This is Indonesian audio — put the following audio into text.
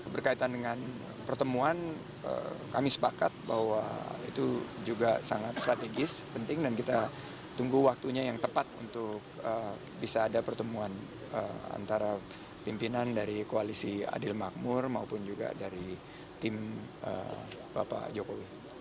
berkaitan dengan pertemuan kami sepakat bahwa itu juga sangat strategis penting dan kita tunggu waktunya yang tepat untuk bisa ada pertemuan antara pimpinan dari koalisi adil makmur maupun juga dari tim bapak jokowi